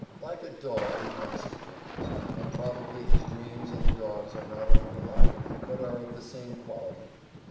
"Like a dog, he hunts in dreams," and probably his dreams and the dog's are not only alike, but are of the same quality.